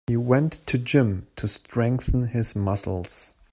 He went to gym to strengthen his muscles.